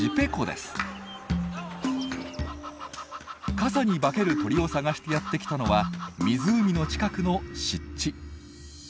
傘に化ける鳥を探してやって来たのは湖の近くの湿地。